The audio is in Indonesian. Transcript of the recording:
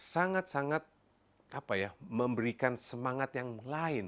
sangat sangat memberikan semangat yang lain